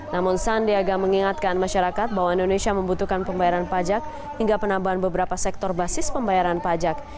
namun sandiaga mengingatkan masyarakat bahwa indonesia membutuhkan pembayaran pajak hingga penambahan beberapa sektor basis pembayaran pajak